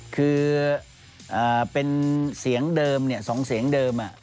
คือเป็นเสียงเดิม๒เสียงเดิม